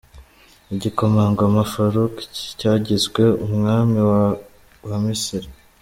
Igikomangoma Farouk cyagizwe umwami wa wa Misiri.